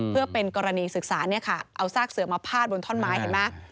เพื่อเป็นกรณีศึกษาเนี่ยค่ะเอาซากเสือมาพาดบนท่อนไม้เห็นมั้ย